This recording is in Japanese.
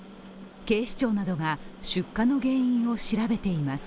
警視庁などが出火の原因を調べています。